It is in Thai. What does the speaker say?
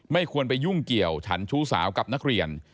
ไม่ควรไปยุ่งเกี่ยวฉันชู้สาวกับนักเรียน